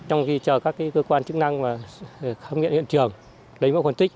trong khi chờ các cơ quan chức năng và khám nghiệp hiện trường đánh mẫu khuẩn tích